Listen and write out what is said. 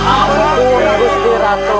ampun gusti ratu